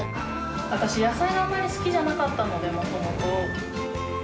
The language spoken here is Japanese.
私、野菜があんまり好きじゃなかったので、もともと。